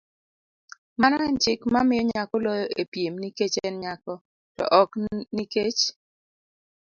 mano en chik mamiyo nyako loyo e piem nikech en nyako, to ok nikech